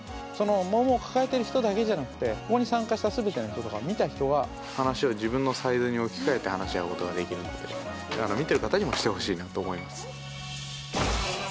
そのモンモンを抱えてる人だけじゃなくてここに参加した全ての人とか見た人が話を自分のサイズに置き換えて話し合うことができるんで見てる方にもしてほしいなと思います。